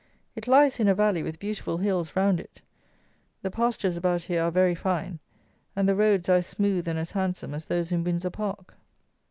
It lies in a valley with beautiful hills round it. The pastures about here are very fine; and the roads are as smooth and as handsome as those in Windsor Park.